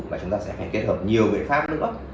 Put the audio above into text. và chúng ta sẽ phải kết hợp nhiều biện pháp nữa